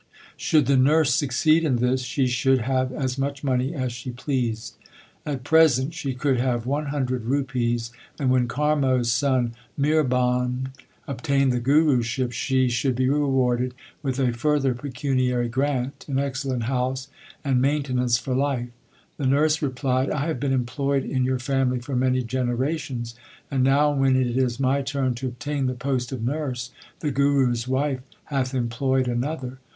Should the nurse succeed in this, she should have as much money as she pleased. At present she could have one hundred rupees, and, when Karmo s son Mihrban obtained the Guruship, she should be rewarded with a further pecuniary grant, an excellent house, and maintenance for life. The nurse replied : I have been employed in your family for many generations, and now when it is my turn to obtain the post of nurse, the Guru s wife hath employed another.